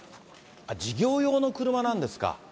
事業用の車なんですか。